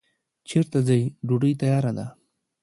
چیرته ځی ډوډی تیاره ده